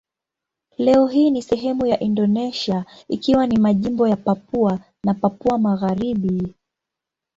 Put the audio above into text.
Leo hii ni sehemu ya Indonesia ikiwa ni majimbo ya Papua na Papua Magharibi.